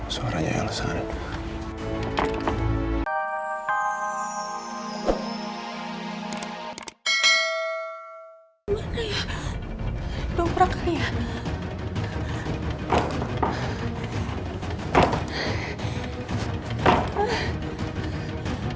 suaranya yang sangat